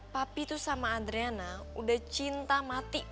papi itu sama adrena udah cinta mati